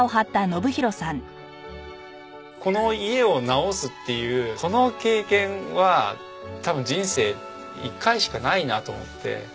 この家を直すっていうこの経験は多分人生一回しかないなと思って。